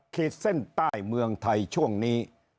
ขีดเส้นใต้เมืองไทยช่วงนี้